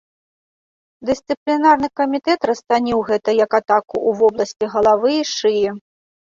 Дысцыплінарны камітэт расцаніў гэта як атаку ў вобласці галавы і шыі.